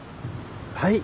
はい。